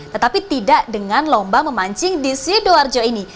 tetapi tidak dengan lomba memancing di sidoarjo ini